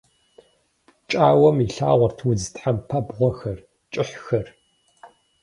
Пкӏауэм илъагъурт удз тхьэмпабгъуэхэр, кӏыхьхэр.